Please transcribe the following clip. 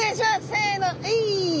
せのえい！